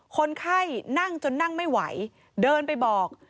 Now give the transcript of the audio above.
คนไข้นั่งจนนั่งไม่ไหวเดินไปบอก